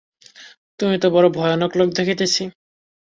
তুমি তো বড়ো ভয়ানক লোক দেখিতেছি।